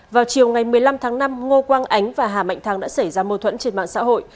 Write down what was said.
vào chiều ngày một mươi năm tháng năm ngô quang ánh và hà mạnh thắng đã xảy ra mâu thuẫn trên mạng xã hội